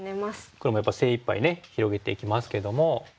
黒もやっぱり精いっぱいね広げていきますけども。